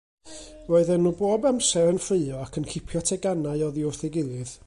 Roedden nhw bob amser yn ffraeo ac yn cipio teganau oddi wrth ei gilydd.